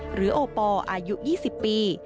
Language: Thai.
หรือโอปอล์อายุ๒๐ปี